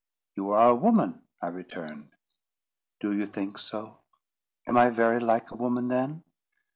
"You are a woman," I returned. "Do you think so? Am I very like a woman then?"